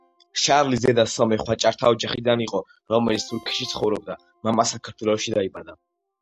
შარლის დედა სომეხ ვაჭართა ოჯახიდან იყო, რომელიც თურქეთში ცხოვრობდა, მამა საქართველოში დაიბადა.